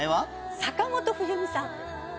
坂本冬美さん。